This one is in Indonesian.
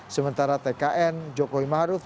sementara tkn jokowi mahaduth